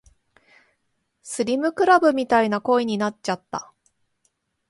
スリムクラブみたいな声になっちゃった